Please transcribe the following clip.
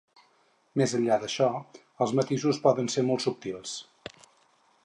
Més enllà d'això, els matisos poden ser molt subtils.